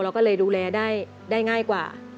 เราก็เลยดูแลได้ง่ายกว่า